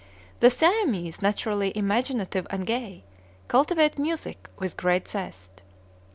The Siamese, naturally imaginative and gay, cultivate music with great zest.